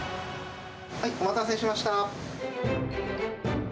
はい、お待たせしました。